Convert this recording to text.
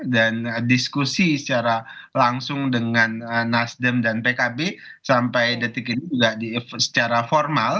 dan diskusi secara langsung dengan nasdem dan pkb sampai detik ini juga secara formal